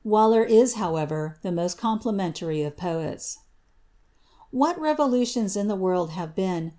Waller is however, the moat complimentary of poets. What revolutions in the world have been